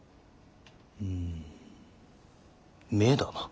うん目だな。